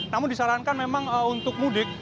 namun disarankan memang untuk mudik